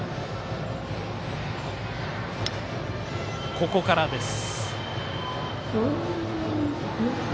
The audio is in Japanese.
ここからです。